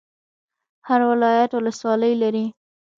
هر ولایت ولسوالۍ لري